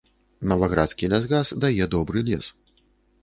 Наваградскі лясгас дае добры лес.